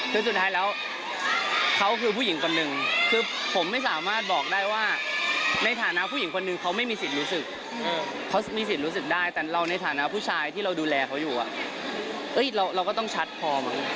คือสุดท้ายแล้วเขาคือผู้หญิงคนหนึ่งคือผมไม่สามารถบอกได้ว่าในฐานะผู้หญิงคนหนึ่งเขาไม่มีสิทธิ์รู้สึกเขามีสิทธิ์รู้สึกได้แต่เราในฐานะผู้ชายที่เราดูแลเขาอยู่เราก็ต้องชัดพอมั้ง